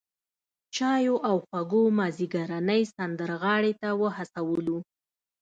چایو او خوږو مازیګرنۍ سمندرغاړې ته وهڅولو.